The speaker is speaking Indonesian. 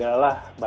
terima kasih pak